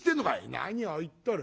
「何を言っとる？